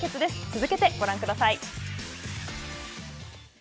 続けてご覧ください。